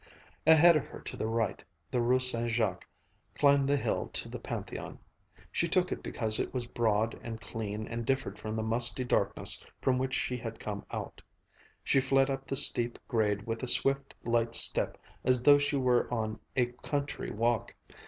Ahead of her to the right, the Rue St. Jacques climbed the hill to the Pantheon. She took it because it was broad and clean and differed from the musty darkness from which she had come out; she fled up the steep grade with a swift, light step as though she were on a country walk.